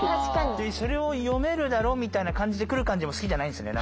それを読めるだろみたいな感じで来る感じも好きじゃないんですよね